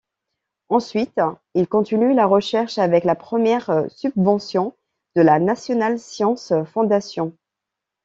Ensuite, il continue la recherche avec la première subvention de la National Science Foundation.